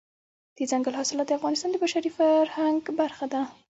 دځنګل حاصلات د افغانستان د بشري فرهنګ برخه ده.